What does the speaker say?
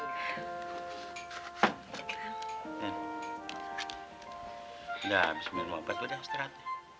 udah abis menunggu abad udah seterat